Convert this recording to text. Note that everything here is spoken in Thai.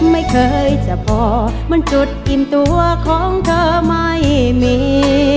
ไม่เคยจะพอมันจุดอิ่มตัวของเธอไม่มี